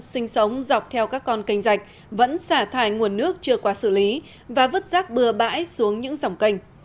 sinh sống dọc theo các con kênh rạch vẫn xả thải nguồn nước chưa qua xử lý và vứt rác bừa bãi xuống những dòng canh